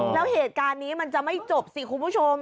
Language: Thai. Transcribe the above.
แล้วเหตุการณ์นี้มันจะไม่จบสิคุณผู้ชม